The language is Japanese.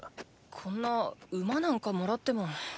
こんな馬なんかもらっても。